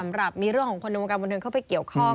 สำหรับมีเรื่องของคนในวงการบันเทิงเข้าไปเกี่ยวข้อง